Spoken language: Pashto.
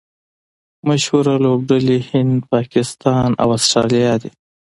مشهوره لوبډلي هند، پاکستان او اسټرالیا دي.